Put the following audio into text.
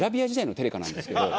テレカなんですけど。